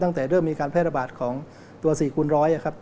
ตั้งแต่เริ่มมีการแพร่ระบาดของตัว๔คูณร้อยครับ